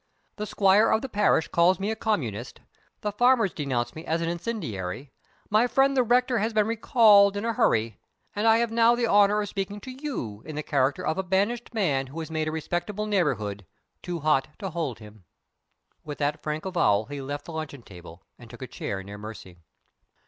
The Squire of the parish calls me a Communist; the farmers denounce me as an Incendiary; my friend the rector has been recalled in a hurry, and I have now the honor of speaking to you in the character of a banished man who has made a respectable neighborhood too hot to hold him." With that frank avowal he left the luncheon table, and took a chair near Mercy.